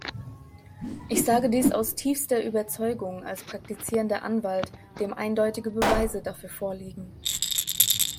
Ich sage dies aus tiefster Überzeugung als praktizierender Anwalt, dem eindeutige Beweise dafür vorliegen.